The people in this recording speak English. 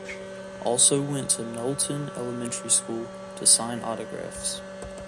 Also went to Knowlton Elementary School to sign autographs.